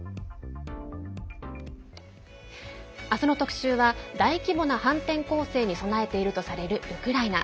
明日の特集は大規模な反転攻勢に備えているとされるウクライナ。